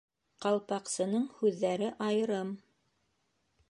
Ҡалпаҡсының һүҙҙәре айырым